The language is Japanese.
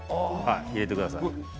入れてください。